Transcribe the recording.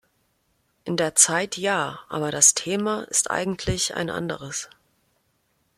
In der Zeit ja, aber das Thema ist eigentlich ein anderes.